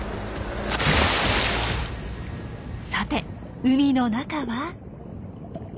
さて海の中は。